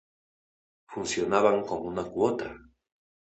Funcionaban con una cuota.